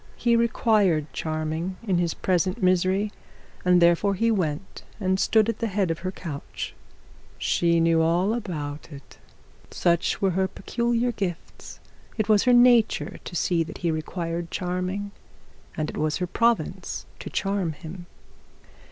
He required charming in his present misery, and therefore he went and stood at the head of her couch. She knew all about it. Such were her peculiar gifts. It was her nature to see that he required charming, and it was her province to charm him.